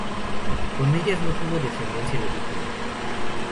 Con ellas no tuvo descendencia legítima.